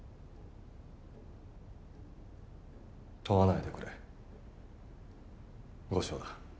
問わないでくれ後生だ。